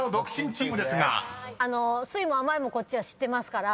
酸いも甘いもこっちは知ってますから。